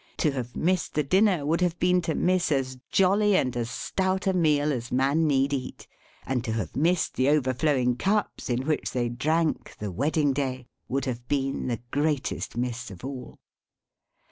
To have missed the dinner would have been to miss as jolly and as stout a meal as man need eat; and to have missed the overflowing cups in which they drank The Wedding Day, would have been the greatest miss of all.